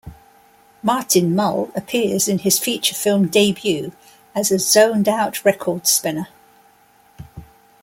Martin Mull appears in his feature film debut as a zoned-out record spinner.